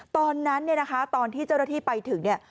ตอนนั้นเนี่ยนะคะตอนที่เจ้าหน้าที่ไปถึงเนี่ย